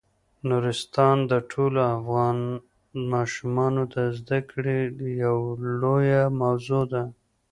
نورستان د ټولو افغان ماشومانو د زده کړې یوه لویه موضوع ده.